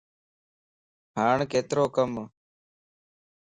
ھاڻ ڪيترو ڪمَ؟